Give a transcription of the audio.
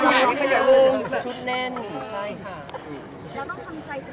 ทำไมอ้มอุดอัดกว่านี้